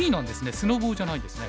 スノボじゃないんですね。